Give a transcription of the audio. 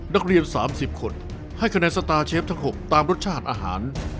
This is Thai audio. นักเรียน๓๐คนให้คะแนนสตาร์เชฟทั้ง๖ตามรสชาติอาหาร